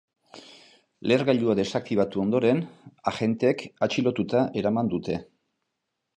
Lehergailua desaktibatu ondoren, agenteek atxilotuta eraman dute.